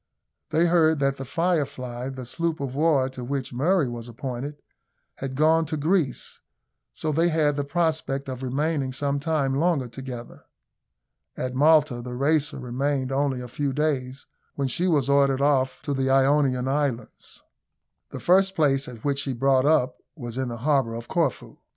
They heard that the Firefly, the sloop of war to which Murray was appointed, had gone to Greece, so they had the prospect of remaining some time longer together. At Malta the Racer remained only a few days, when she was ordered off to the Ionian Islands. The first place at which she brought up was in the harbour of Corfu.